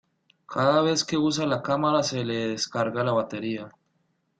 Cada vez que usa la cámara se le descarga la batería.